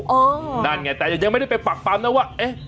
นั่นไงแต่ยังไม่ได้ไปปักปั๊มนะว่าเอ๊ะ